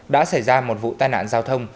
đã xảy ra một vụ tai nạn giao thông